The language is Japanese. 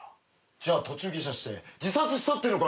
じゃあ途中下車して自殺したってのか！？